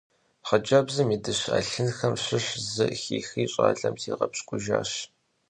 Xhıcebzım yi dışe 'elhınxem şış zı xixri ş'alem ziğepşk'ujjaş.